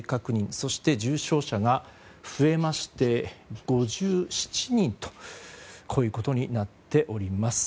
そして重症者が増えまして５７人となっております。